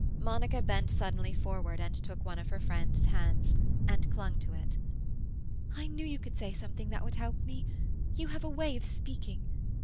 Monica bent suddenly forward and took one of her friend's hands, and clung to it. "I knew you could say something that would help me. You have a way of speaking.